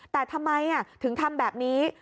แต่ทำไมถึงทำแบบนี้